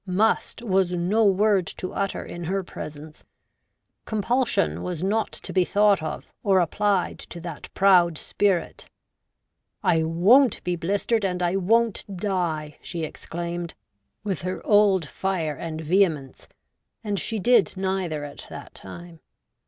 ' Must ' was no word to utter in her presence ; com pulsion was not to be thought of or applied to that proud spirit. ' I won't be blistered, and I won't die,' she exclaimed, with her old fire and vehemence — and she did neither at that time.